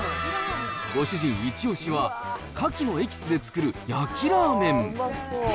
ご主人イチオシは、カキのエキスで作る焼きラーメン。